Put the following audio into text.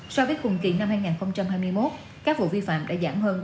so với khùng kỳ năm hai nghìn hai mươi một các vụ vi phạm đã giảm hơn ba mươi bảy